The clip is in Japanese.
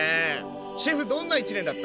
シェフどんな一年だった？